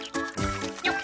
よっ！